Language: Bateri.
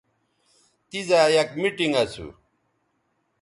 تیزا یک میٹنگ اسو